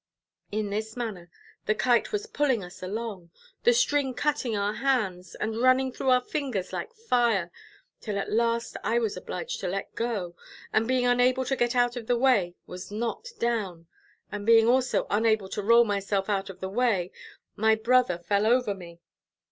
In this manner the Kite was pulling us along, the string cutting our hands, and running through our fingers like fire, till at last I was obliged to let go, and being unable to get out of the way, was knocked down, and being also unable to roll myself out of the way, my brother fell over me.